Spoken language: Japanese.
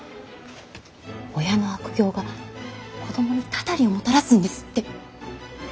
親の悪行が子供にたたりをもたらすんですって。